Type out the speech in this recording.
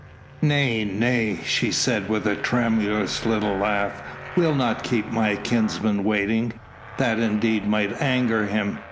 "Nay, nay," she said with a tremulous little laugh, "we'll not keep my kinsman waiting. That indeed might anger him.